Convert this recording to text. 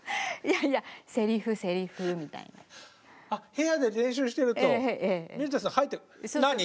部屋で練習してると水谷さん入ってくる「なに？」